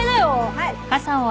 はい。